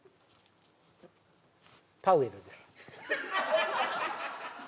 パウエルです